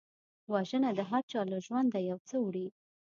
وژنه د هرچا له ژونده یو څه وړي